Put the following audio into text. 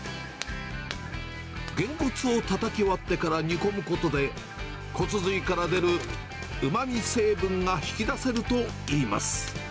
ゲンコツをたたき割ってから煮込むことで、骨髄から出るうまみ成分が引き出せるといいます。